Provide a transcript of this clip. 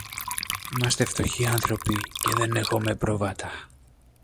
Είμαστε φτωχοί άνθρωποι και δεν έχομε πρόβατα.